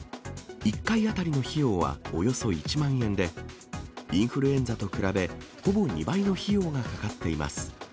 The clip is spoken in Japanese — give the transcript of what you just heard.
１回当たりの費用はおよそ１万円で、インフルエンザと比べ、ほぼ２倍の費用がかかっています。